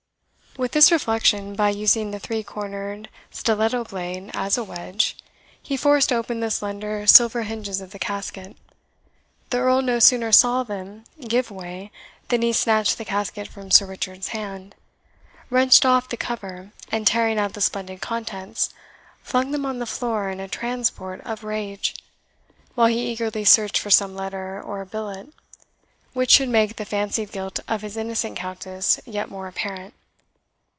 With this reflection, by using the three cornered stiletto blade as a wedge, he forced open the slender silver hinges of the casket. The Earl no sooner saw them give way than he snatched the casket from Sir Richard's hand, wrenched off the cover, and tearing out the splendid contents, flung them on the floor in a transport of rage, while he eagerly searched for some letter or billet which should make the fancied guilt of his innocent Countess yet more apparent.